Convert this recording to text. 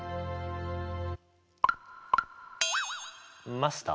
マスター？